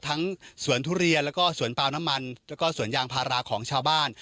ทั้งสวนทุเรียนแล้วก็สวนเปล่าน้ำมันแล้วก็สวนยางพาราของชาวบ้าน